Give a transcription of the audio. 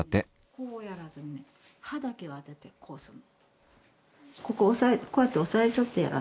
こうやらずにはだけをあててこうするの。